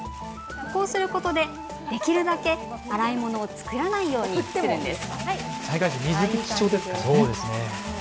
こうすることで洗い物を作らないようにするんです。